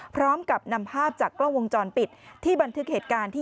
พร้อมกับนำภาพจากกล้องวงจรปิดที่บันทึกเหตุการณ์ที่